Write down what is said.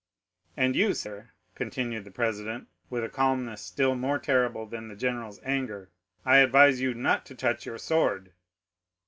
"'"And you, sir," continued the president, with a calmness still more terrible than the general's anger, "I advise you not to touch your sword."